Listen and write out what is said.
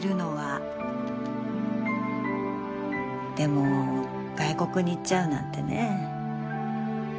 でも外国に行っちゃうなんてねえ。